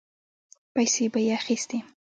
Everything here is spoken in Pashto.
پيسې به يې اخيستې.